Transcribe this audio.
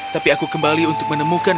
tapi aku kembali untuk menemukan